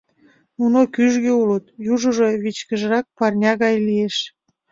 Нуно кӱжгӧ улыт, южыжо вичкыжрак пырня гай лиеш.